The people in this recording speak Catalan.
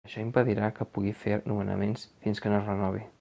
Això impedirà que pugui fer nomenaments fins que no es renovi.